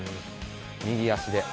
右足で。